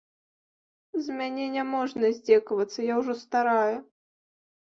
З мяне не можна здзекавацца, я ўжо старая.